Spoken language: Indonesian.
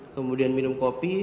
kemudian minum kopi